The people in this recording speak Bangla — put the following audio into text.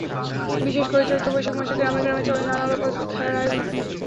বিশেষ করে চৈত্র-বৈশাখ মাসে গ্রামে গ্রামে চলে নানা লোকজ খেলার আয়োজন।